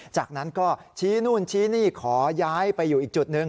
จากนั้นก็ชี้นู่นชี้นี่ขอย้ายไปอยู่อีกจุดหนึ่ง